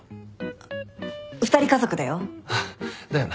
あっ２人家族だよ。だよな。